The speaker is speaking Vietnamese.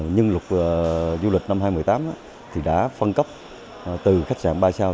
nhưng luật du lịch năm hai nghìn một mươi tám thì đã phân cấp từ khách sạn ba sao